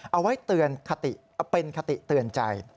เอาไว้เป็นกฏิเตือนใจ